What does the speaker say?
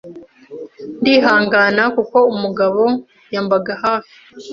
ndihangana kuko umugabo ymbag hafi